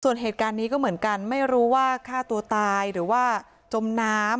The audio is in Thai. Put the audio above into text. ส่วนเหตุการณ์นี้ก็เหมือนกันไม่รู้ว่าฆ่าตัวตายหรือว่าจมน้ำ